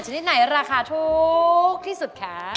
ชนิดไหนราคาถูกที่สุดคะ